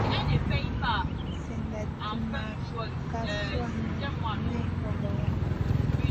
Cina timma ka suanu nen hobeya.